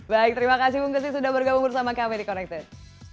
baik terima kasih bung kesit sudah bergabung bersama kmt connected